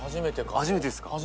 初めてっすか？